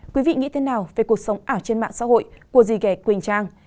quý vị nghĩ thế nào về cuộc sống ảo trên mạng xã hội của dì ghẻ quỳnh trang